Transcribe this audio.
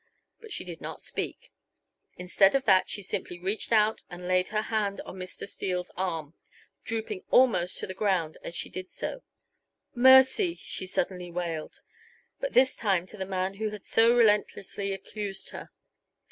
But she did not speak. Instead of that she simply reached out and laid her hand on Mr. Steele's arm, drooping almost to the ground as she did so. "Mercy!" she suddenly wailed, but this time to the man who had so relentlessly accused her.